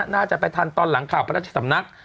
น่าจะไปทันตอนหลังข่าวพระราชสำนัก